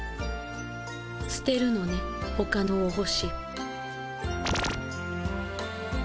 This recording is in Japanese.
すてるのねほかのお星。